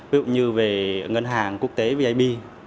ví dụ như về ngân hàng quốc tế vip